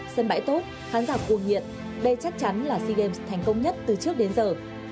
sân bãi tốt khán giả cuồng nhiệt đây chắc chắn là sea games thành công nhất từ trước đến giờ